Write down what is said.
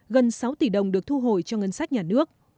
gần sáu tỷ đồng được thu hồi cho ngân sách nhà nước